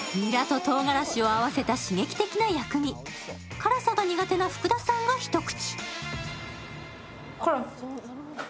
辛さが苦手な福田さんが一口。